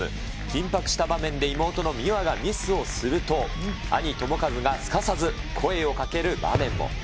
緊迫した場面で妹の美和がミスをすると、兄、智和がすかさず声をかける場面も。